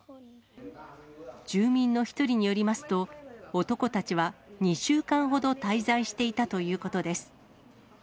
住民の１人によりますと、男たちは２週間ほど滞在していたということです。